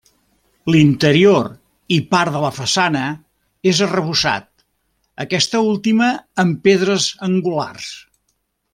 L'interior i part de la façana és arrebossat, aquesta última amb pedres angulars.